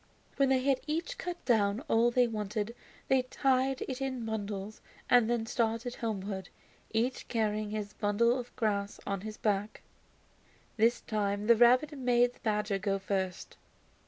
When they had each cut down all they wanted they tied it in bundles and then started homewards, each carrying his bundle of grass on his back. This time the rabbit made the badger go first.